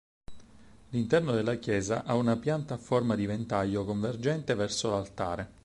L'interno della chiesa ha una pianta a forma di ventaglio convergente verso l'altare.